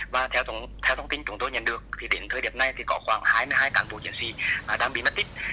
và theo thông tin chúng tôi nhận được thì đến thời điểm này thì có khoảng hai mươi hai cán bộ chiến sĩ đang bị mất tích